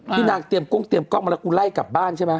นางเตรียมกล้องเตรียมกล้องมาแล้วกูไล่กลับบ้านใช่ไหม